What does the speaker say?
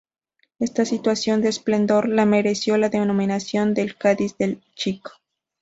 Esta situación de esplendor le mereció la denominación del "Cádiz el Chico".